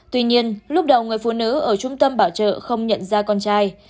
tuy nhiên lúc đầu người phụ nữ ở trung tâm bảo trợ không nhận ra con trai